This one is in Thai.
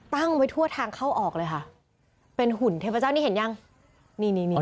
ตั้งไว้ทั่วทางเข้าออกเลยค่ะเป็นหุ่นเทพเจ้านี่เห็นยังนี่นี่